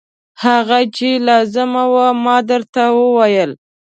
هغه چې لازم و ما درته وویل.